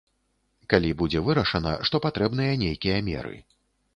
Калі будзе вырашана, што патрэбныя нейкія меры.